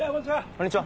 こんにちは。